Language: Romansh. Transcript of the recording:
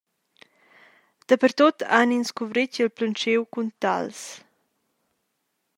Dapertut han ins cuvretg il plantschiu cun tals.